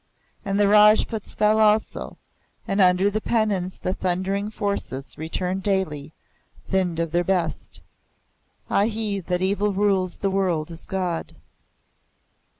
And the Rajputs fell also, and under the pennons the thundering forces returned daily, thinned of their best. (A hi! that Evil rules the world as God!)